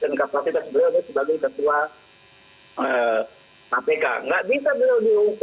dan kapasitas beliau ini sebagai ketua kapasitas dan dasar aturannya pun sudah berbeda